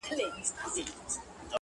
ماته دي د سر په بيه دوه جامه راکړي دي.